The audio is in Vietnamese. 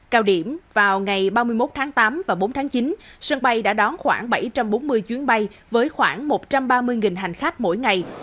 cao điểm vào ngày ba mươi một tháng tám và bốn tháng chín sân bay đã đón khoảng bảy trăm bốn mươi chuyến bay với khoảng một trăm ba mươi hành khách mỗi ngày